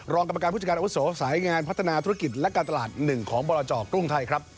รองกรรมการผู้จัดการอุตส่วนสายงานพัฒนาธุรกิจและการตลาดหนึ่งของบรรจอกรุงไทยครับ